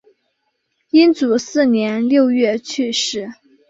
英祖四年六月去世。